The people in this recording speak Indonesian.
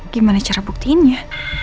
gimana cara buktinya